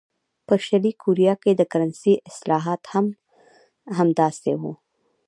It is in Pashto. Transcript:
په شلي کوریا کې د کرنسۍ اصلاحات هم همداسې وو.